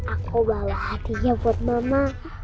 aku bawa hatinya buat mama